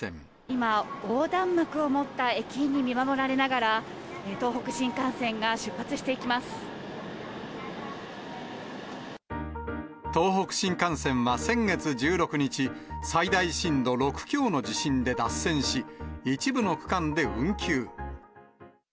今、横断幕を持った駅員に見守られながら、東北新幹線が出発していき東北新幹線は、先月１６日、最大震度６強の地震で脱線し、一部の区間で運休。